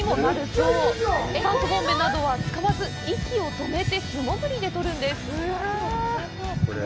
酸素ボンベなどは使わず、息をとめて、素潜りでとるんです！